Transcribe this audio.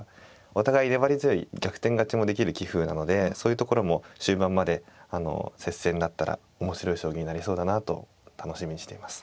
お互い粘り強い逆転勝ちもできる棋風なのでそういうところも終盤まで接戦になったら面白い将棋になりそうだなと楽しみにしています。